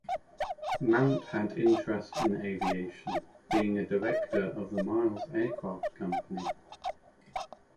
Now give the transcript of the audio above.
Mount had interest in aviation, being a director of the Miles Aircraft Company.